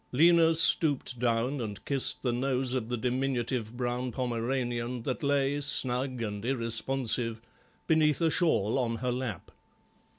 Lena stooped down and kissed the nose of the diminutive brown Pomeranian that lay, snug and irresponsive, beneath a shawl on her lap.